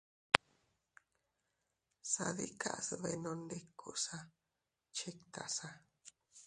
Sadikas dbenondikusa chiktasa.